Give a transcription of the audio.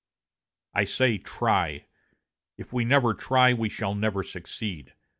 I say 'try'; if we never try we shall never succeed.